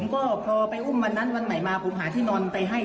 ก็พอไปอุ้มวันนั้นวันไหนมาผมหาที่นอนไปให้